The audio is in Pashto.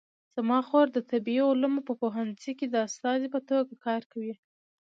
زما خور د طبي علومو په پوهنځي کې د استادې په توګه کار کوي